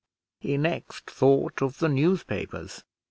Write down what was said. He next thought of the newspapers.